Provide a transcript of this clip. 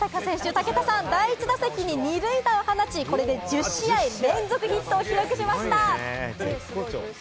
武田さん、第１打席に二塁打を放ち、これで１０試合連続ヒットを記録しました。